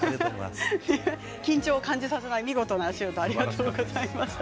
緊張を感じさせない見事なシュートありがとうございました。